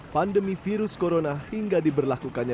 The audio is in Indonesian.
pandemi virus corona hingga diberlakukannya